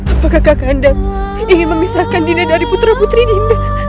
apakah kakak anda ingin memisahkan dina dari putra putri dinda